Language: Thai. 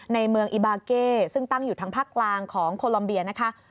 ในเมืองอิบาเก้ซึ่งตั้งอยู่ทางภาคกลางของโคลอมเบียนะคะ